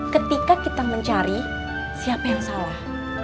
ketika kita mencari siapa yang salah